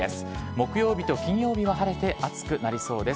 木曜日と金曜日は晴れて、暑くなりそうです。